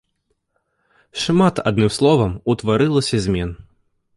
Шмат, адным словам, утварылася змен.